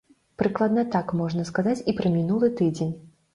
Прыкладна так можна сказаць і пра мінулы тыдзень.